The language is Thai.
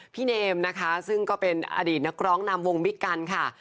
เนมนะคะซึ่งก็เป็นอดีตนักร้องนำวงบิ๊กกันค่ะ